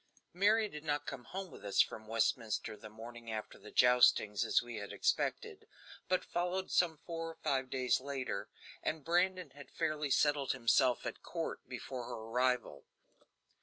Mary did not come home with us from Westminster the morning after the joustings, as we had expected, but followed some four or five days later, and Brandon had fairly settled himself at court before her arrival.